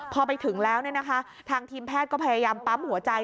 พอไปถึงแล้วทางทีมแพทย์ก็พยายามปั๊มหัวใจ